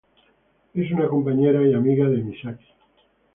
Es una compañera y amiga de Misaki.